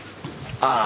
ああ